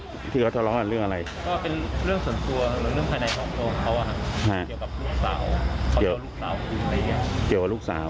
ก็เป็นเค้าของเรื่องส่วนตัว